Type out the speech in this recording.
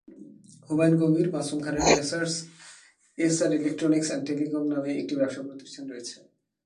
হুমায়ুন কবীর মাসুম খানের messrs SR electronics and telecom নামে একটি ব্যবসাপ্রতিষ্ঠান রয়েছে।